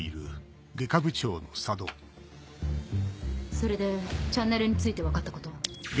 それでチャンネルについて分かったことは？